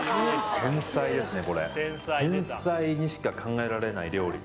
天才にしか考えられない料理。